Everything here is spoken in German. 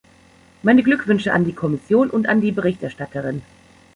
Meine Glückwünsche an die Kommission und an die Berichterstatterin.